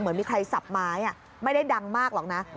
เหมือนมีใครสับไม้ไม่ได้ดังมากหรอกนะ